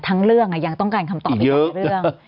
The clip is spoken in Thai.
ทั้งเรื่องอ่ะยังต้องการคำตอบอีกกว่าเรื่อง